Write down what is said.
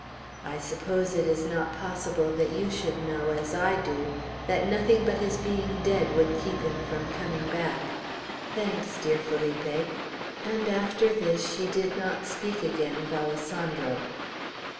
I suppose it is not possible that you should know, as I do, that nothing but his being dead would keep him from coming back. Thanks, dear Felipe;" and after this she did not speak again of Alessandro.